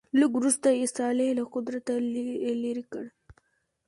لږ وروسته یې صالح له قدرته لیرې کړ.